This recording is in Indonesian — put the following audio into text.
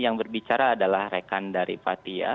yang berbicara adalah rekan dari fathia